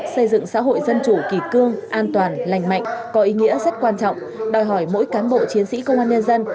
xây dựng xã hội dân chủ kỳ cương an toàn lành mạnh có ý nghĩa rất quan trọng đòi hỏi mỗi cán bộ chiến sĩ công an nhân dân